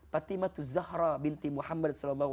fatimah itu zahra binti muhammad saw